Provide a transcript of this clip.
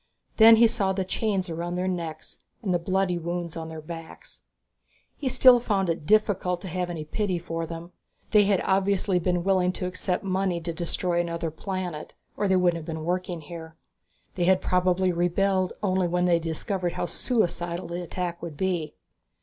Then he saw the chains around their necks and the bloody wounds on their backs. He still found it difficult to have any pity for them. They had obviously been willing to accept money to destroy another planet or they wouldn't have been working here. They had probably rebelled only when they had discovered how suicidal the attack would be.